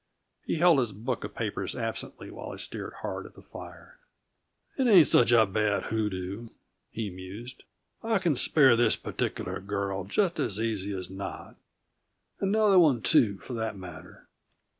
He held his book of papers absently while he stared hard at the fire. "It ain't such a bad hoodoo," he mused. "I can spare this particular girl just as easy as not; and the other one, too, for that matter."